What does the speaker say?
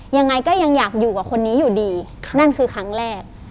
ยังไงก็ยังอยากอยู่กับคนนี้อยู่ดีนั่นคือครั้งแรก